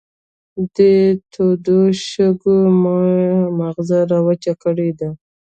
دې تودو شګو مې ماغزه را وچ کړې دي.